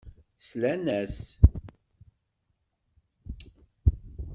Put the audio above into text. Slan-as.